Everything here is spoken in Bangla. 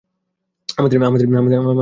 আমাদের খেলা শেষ।